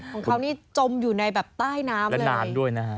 ของเขานี่จมอยู่ในแบบใต้น้ำเลย